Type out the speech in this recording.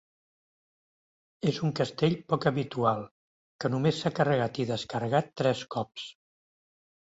És un castell poc habitual, que només s'ha carregat i descarregat tres cops.